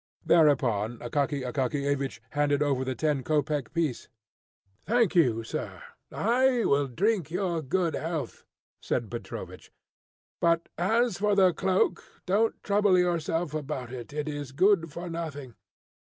Thereupon Akaky Akakiyevich handed over the ten kopek piece. "Thank you, sir. I will drink your good health," said Petrovich. "But as for the cloak, don't trouble yourself about it; it is good for nothing.